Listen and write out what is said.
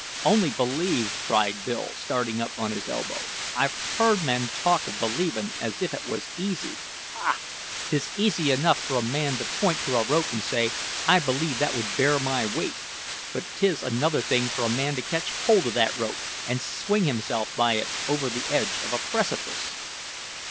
"Only believe!" cried Bill, starting up on his elbow. "I've heard men talk o' believing as if it was easy. Ha! 'tis easy enough for a man to point to a rope and say, `I believe that would bear my weight;' but 'tis another thing for a man to catch hold o' that rope and swing himself by it over the edge of a precipice!"